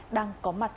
đang có mặt